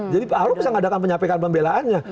jadi pak ahok bisa mengadakan penyampaikan pembelaannya